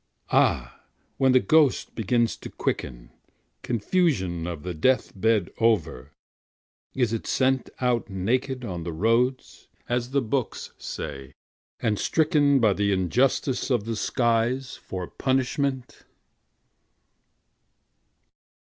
Ah! when the ghost begins to quicken, Confusion of the death bed over, is it sentOut naked on the roads, as the books say, and strickenBy the injustice of the skies for punishment?